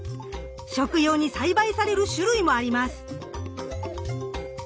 食用に栽培される種類もあります。